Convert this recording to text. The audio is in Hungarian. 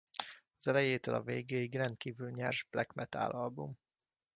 Az elejétől a végéig rendkívül nyers black metal album.